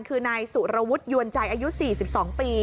คือนายสุรวุฒิยวนใจอายุ๔๒ปี